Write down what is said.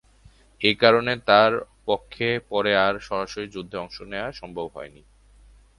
এ কারণে তার পক্ষে পরে আর সরাসরি যুদ্ধে অংশ নেওয়া সম্ভব হয়নি।